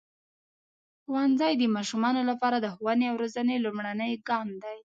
ښوونځی د ماشومانو لپاره د ښوونې او روزنې لومړنی ګام دی.